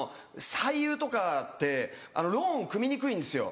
俳優とかってローン組みにくいんですよ。